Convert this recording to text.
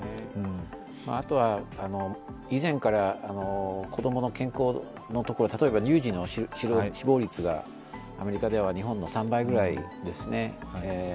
あとは以前から子供の健康のところ、例えば乳児の死亡率がアメリカでは日本の３倍ぐらいですね。